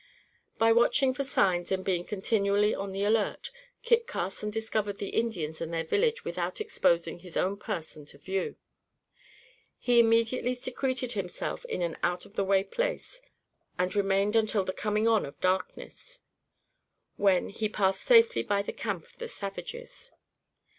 By watching for signs and being continually on the alert, Kit Carson discovered the Indians and their village without exposing his own person to view. He immediately secreted himself in an out of the way place and remained until the coming on of darkness; when, he passed safely by the camp of the savages.